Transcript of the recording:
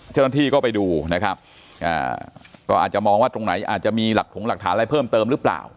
เจ้าหน้าที่ก็ไปดูนะครับก็อาจจะมองว่าตรงไหนอาจจะมีหลักถงหลักฐานอะไรเพิ่มเติมหรือเปล่า